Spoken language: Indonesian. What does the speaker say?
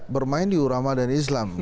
bermain di ulama dan islam